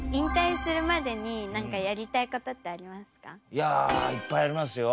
いやいっぱいありますよ。